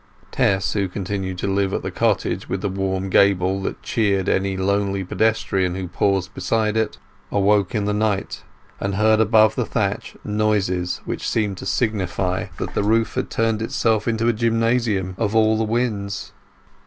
Tess, who continued to live at the cottage with the warm gable that cheered any lonely pedestrian who paused beside it, awoke in the night, and heard above the thatch noises which seemed to signify that the roof had turned itself into a gymnasium of all the winds.